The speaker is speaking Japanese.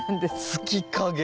月影。